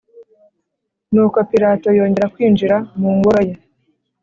Nuko Pilato yongera kwinjira mu ngoro ye